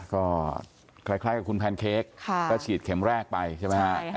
ก็คล้ายกับคุณแพนเค้กก็ฉีดเข็มแรกไปใช่ไหมฮะ